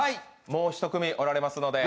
もう一組おられますので。